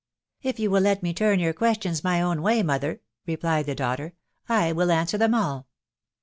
" If you will let me turn your questions my own way, mother," replied the daughter, " I will answer them all.